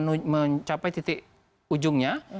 sudah mencapai titik ujungnya